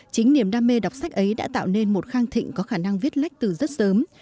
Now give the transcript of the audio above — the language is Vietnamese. chính niềm đam mê đọc sách ấy đã tạo nên một khang thịnh có khả năng viết lách từ rất sớm